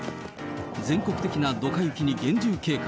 全国的などか雪に厳重警戒。